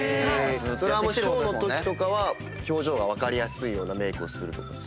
ショーのときとかは表情が分かりやすいメイクをするとか。